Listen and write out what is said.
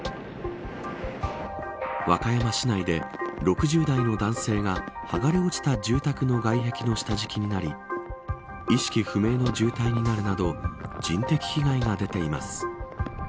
和歌山市内で６０代の男性が剥がれ落ちた住宅の外壁の下敷きになり意識不明の重体になるなど人的被害が出ています。